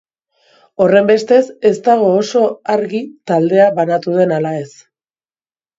Horrenbestez, ez dago oso argi taldea banatu den ala ez.